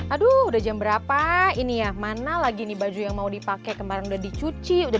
aduh udah jam berapa ini ya mana lagi nih baju yang mau dipakai kemarin udah dicuci udah